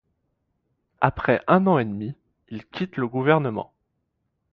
Après un an et demi, il quitte le gouvernement.